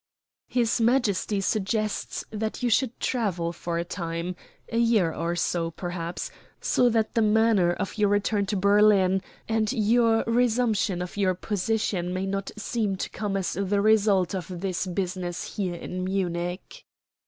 "His Majesty suggests that you should travel for a time a year or so, perhaps so that the manner of your return to Berlin and your resumption of your position may not seem to come as the result of this business here in Munich."